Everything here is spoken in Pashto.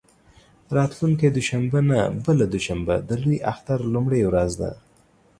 راتلونکې دوشنبه نه، بله دوشنبه د لوی اختر لومړۍ ورځ ده.